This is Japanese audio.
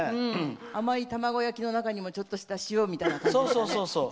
甘い卵焼きの中にもちょっとした塩みたいな感じですかね。